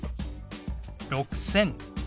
６０００。